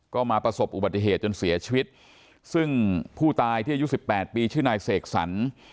ก็มาประสบอุบัติเหตุจนเสียชีวิตซึ่งผู้ตายที่อายุสิบแปดปีชื่อนายเสกสรร